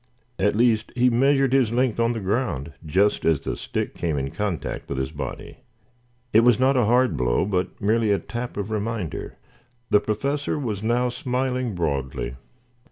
At least, he measured his length on the ground just as the stick came in contact with his body. It was not a hard blow, but merely a tap of reminder. The Professor was now smiling broadly.